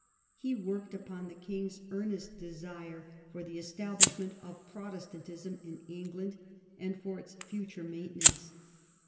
He worked, upon the King's earnest desire, for the establishment of Protestantism in England and for its future mainten ance.